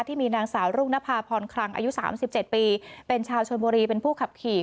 ที่มีนางสาวลุงภาพพรครังอายุสามสิบเจ็ดปีเป็นชาวชนบุรีเป็นผู้ขับขี่